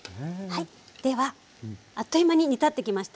ではあっという間に煮立ってきました。